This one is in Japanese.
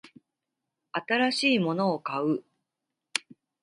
新しいものを買う